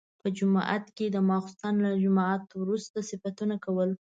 په جومات کې د ماخستن له جماعت وروسته صفتونه کول.